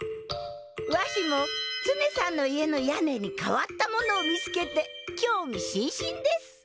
わしもツネさんの家の屋根にかわったものを見つけてきょうみしんしんです